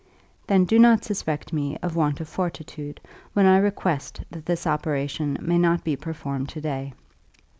"Then do not suspect me of want of fortitude, when I request that this operation may not be performed to day.